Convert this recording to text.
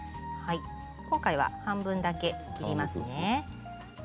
今回は半分だけ切りますね。